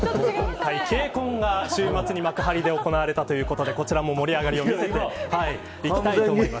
ＫＣＯＮが週末に幕張で行われたということでこちらも盛り上がりを見せています。